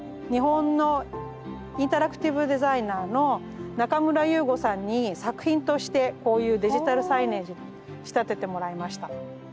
日本のインタラクティブデザイナーの中村勇吾さんに作品としてこういうデジタルサイネージに仕立ててもらいました。